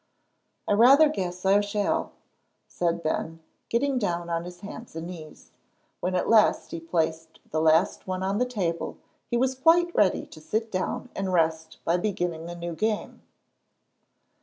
"I rather guess I shall," said Ben, getting down on his hands and knees. When at last he placed the last one on the table he was quite ready to sit down and rest by beginning a new game.